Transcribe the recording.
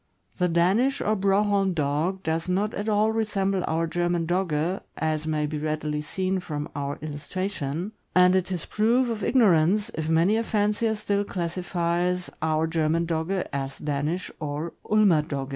The Danish or Broholm Dog does not at all resemble our German Dogge, as may be readily seen from our illustration, and it is proof of ignorance if many a fancier still classifies our German Dogge as Danish or Ulmer Dogge.